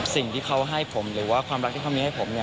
สิ่งที่เขาให้ผมหรือว่าความรักที่เขามีให้ผม